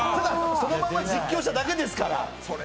そのまま実況しただけですから。